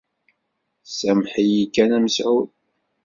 « Sameḥ-iyi kan a Mesεud. »